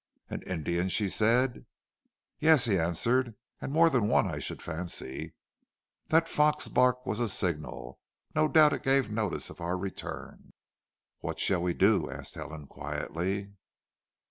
"An Indian!" she said. "Yes," he answered. "And more than one I should fancy. That fox bark was a signal. No doubt it gave notice of our return." "What shall we do?" asked Helen quietly.